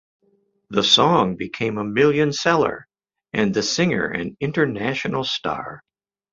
The song became a million-seller and the singer an international star.